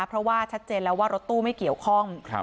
เพราะว่าชัดเจนแล้วว่ารถตู้ไม่เกี่ยวข้อง